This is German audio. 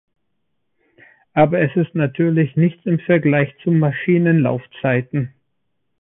Aber es ist natürlich nichts im Vergleich zu Maschinenlaufzeiten.